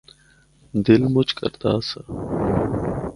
دل مُچ کردا آسا۔